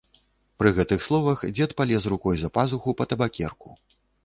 Пры гэтых словах дзед палез рукой за пазуху па табакерку.